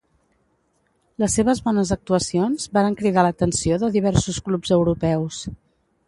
Les seves bones actuacions varen cridar l'atenció de diversos clubs europeus.